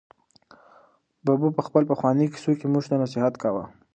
ببو په خپلو پخوانیو کیسو کې موږ ته نصیحت کاوه.